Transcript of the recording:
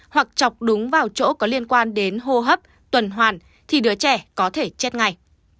hoặc chọc đúng vào chỗ có liên quan đến hô hấp tuần hoàn thì đứa trẻ có thể chết ngay